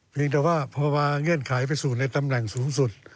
เพียงแต่ว่าพระบาทเง่นขายไปสู่ในตำแหน่งสูงสุด